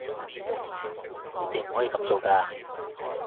你哋唔可以噉做㗎